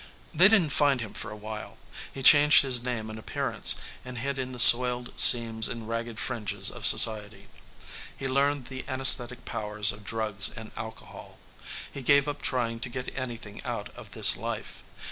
They didn't find him for awhile. He changed his name and appearance and hid in the soiled seams and ragged fringes of society. He learned the anaesthetic powers of drugs and alcohol. He gave up trying to get anything out of this life.